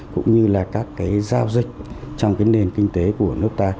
cũng như là các cái giao dịch trong cái nền kinh tế của nước ta